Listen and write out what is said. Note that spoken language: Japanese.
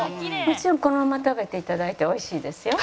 もちろんこのまま食べていただいておいしいですよ。